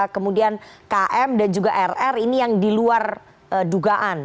kemudian km dan juga rr ini yang diluar dugaan